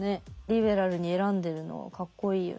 リベラルに選んでるのかっこいいよね。